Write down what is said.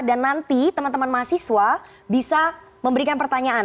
dan nanti teman teman mahasiswa bisa memberikan pertanyaan